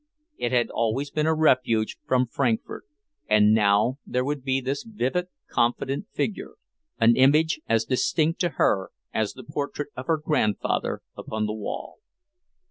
It had always been a refuge from Frankfort; and now there would be this vivid, confident figure, an image as distinct to her as the portrait of her grandfather upon the wall.